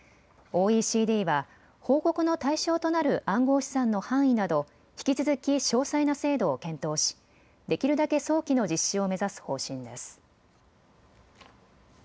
ＯＥＣＤは報告の対象となる暗号資産の範囲など引き続き詳細な制度を検討し、できるだけ早期の実施を目指す方針です。